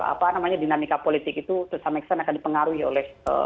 apa namanya dinamika politik itu tersamiksan akan dipengaruhi oleh